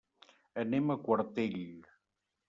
Anem a Quartell.